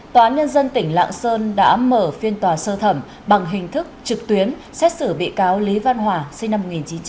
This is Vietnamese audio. tòa án nhân dân tỉnh lạng sơn đã mở phiên tòa sơ thẩm bằng hình thức trực tuyến xét xử bị cáo lý văn hòa sinh năm một nghìn chín trăm tám mươi